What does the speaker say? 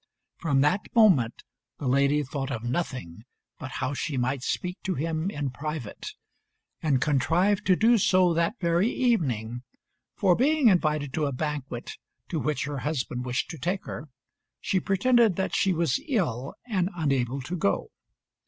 From that moment, the lady thought of nothing but how she might speak to him in private; and contrived to do so that very evening, for, being invited to a banquet, to which her husband wished to take her, she pretended that she was ill and unable to go.